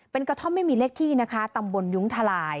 เป็นกระท่อมไม่มีเลขที่นะคะตำบลยุ้งทลาย